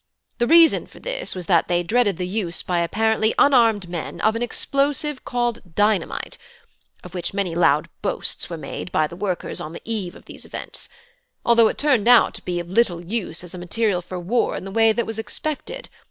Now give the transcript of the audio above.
The reason for this was that they dreaded the use by apparently unarmed men of an explosive called dynamite, of which many loud boasts were made by the workers on the eve of these events; although it turned out to be of little use as a material for war in the way that was expected.